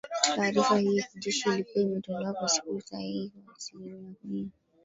Taarifa hii ya kijeshi ilikua imetolewa pasipo usahihi wa asilimia mia